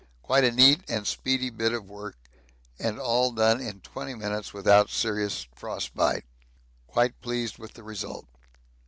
Quite a neat and speedy bit of work and all done in 20 minutes without serious frostbite quite pleased with the result.